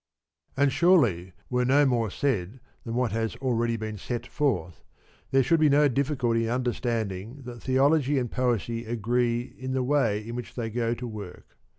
And surely were no more said than what has already been set forth, there should be no difficulty in under standing that Theology and Poesy agree in the way in which they go to work.